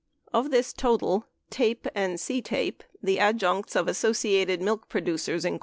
9 Of this total, TAPE and CTAPE (the adjuncts of Associated Milk Producers, Inc.)